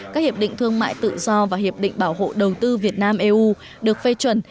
các hiệp định thương mại tự do và hiệp định bảo hộ đầu tư việt nam eu được phê chuẩn